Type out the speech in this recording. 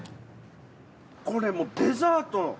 これもうデザート。